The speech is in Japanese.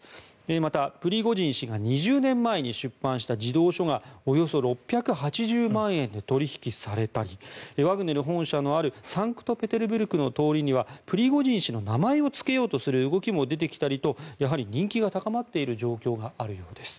また、プリゴジン氏が２０年前に出版した児童書がおよそ６８０万円で取引されたりワグネル本社のあるサンクトペテルブルクの通りにはプリゴジン氏の名前をつけようとする動きも出てきたりとやはり人気が高まっている状況があるようです。